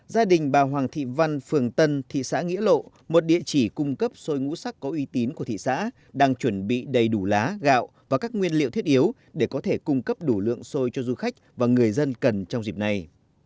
gia đình bà hoàng thị văn phường tân thị xã nghĩa lộ một địa chỉ cung cấp sôi ngũ sắc có uy tín của thị xã đang chuẩn bị đầy đủ lá gạo và các nguyên liệu thiết yếu để có thể cung cấp đủ lượng sôi cho du khách và người dân cần trong dịp này